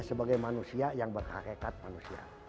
sebagai manusia yang berhakat manusia